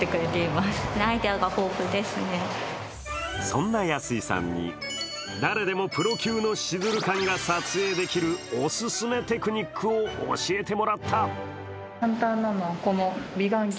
そんな安井さんに、誰でもプロ級のシズル感が撮影できるオススメテクニックを教えてもらった。